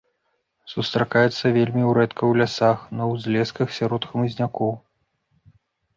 Сустракаецца вельмі рэдка ў лясах, на ўзлесках, сярод хмызнякоў.